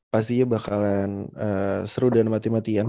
pastinya bakalan seru dan mati matian